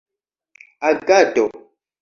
agado